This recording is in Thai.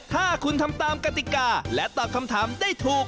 ถ้าคุณทำตามกติกาและตอบคำถามได้ถูก